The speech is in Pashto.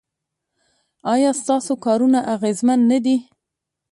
ایا ستاسو کارونه اغیزمن نه دي؟